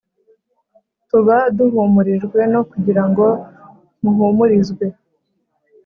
Tuba duhumurijwe no kugira ngo muhumurizwe